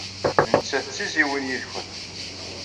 Nettat d tizzyiwin yid-went.